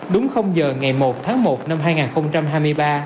đúng giờ ngày một tháng một năm hai nghìn hai mươi ba